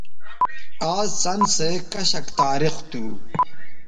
آز څَن سو کشک تاریخ تھو